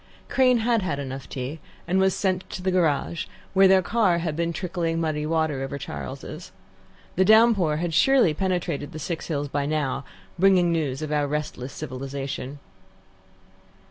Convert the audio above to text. Crane had had enough tea, and was sent to the garage, where their car had been trickling muddy water over Charles's. The downpour had surely penetrated the Six Hills by now, bringing news of our restless civilization.